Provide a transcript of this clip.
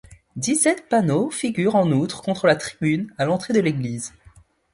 Dix-sept panneaux figurent en outre contre la tribune à l'entrée de l'église.